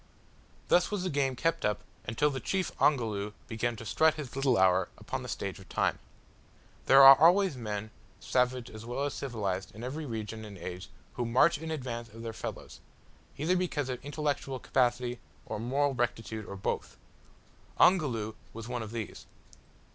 Thus was the game kept up until the chief Ongoloo began to strut his little hour upon the stage of time. There are always men, savage as well as civilised, in every region and age, who march in advance of their fellows, either because of intellectual capacity or moral rectitude or both. Ongoloo was one of these.